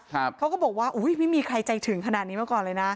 เขาก็บอกว่าอุ้ยไม่มีใครใจถึงขนาดนี้มาก่อนเลยนะ